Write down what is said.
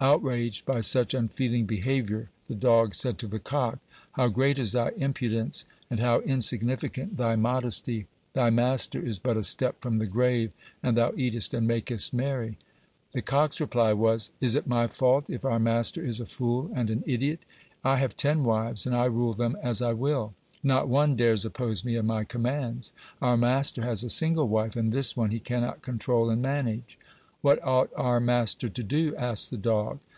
Outraged by such unfeeling behavior, the dog said to the cock: "How great is thy impudence, and how insignificant thy modesty! Thy master is but a step from the grave, and thou eatest and makest merry." The cock's reply was: "Is it my fault if our master is a fool and an idiot? I have ten wives, and I rule them as I will. Not one dares oppose me and my commands. Our master has a single wife, and this one he cannot control and manage." "What ought our master to do?" asked the dog.